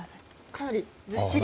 かなり、ずっしり。